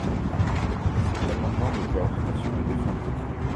Cet amendement de coordination est défendu.